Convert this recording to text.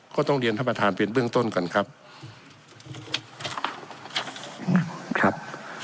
ก็ต้องเรียนท่านประธานเป็นเบื้องต้นก่อนครับครับ